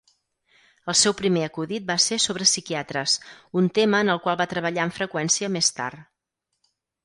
El seu primer acudit va ser sobre psiquiatres, un tema en el qual va treballar amb freqüència més tard.